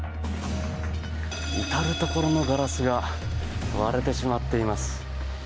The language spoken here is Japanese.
至るところのガラスが割れてしまっています。